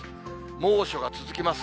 猛暑が続きます。